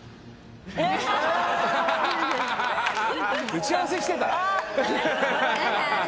打ち合わせしてた？